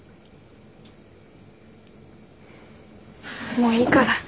もういいから。